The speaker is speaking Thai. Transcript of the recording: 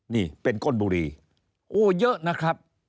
นี่เป็นก้นบุรีโอ้เยอะนะครับ